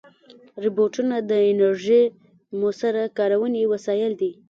روبوټونه د انرژۍ مؤثره کارونې وسایل دي.